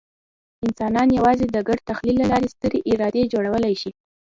انسانان یواځې د ګډ تخیل له لارې سترې ادارې جوړولی شي.